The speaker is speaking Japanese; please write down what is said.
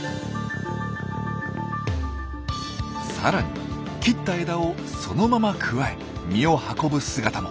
さらに切った枝をそのままくわえ実を運ぶ姿も。